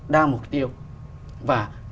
đa mục tiêu và